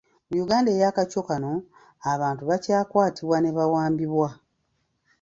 Mu Uganda eya kaco kano, abantu bakyakwatibwa ne bawambibwa.